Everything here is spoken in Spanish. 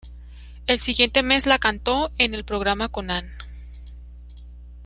El siguiente mes la cantó en el programa "Conan".